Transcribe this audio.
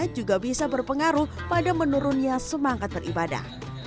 juga bisa berpengaruh pada menurunnya semangat beribadah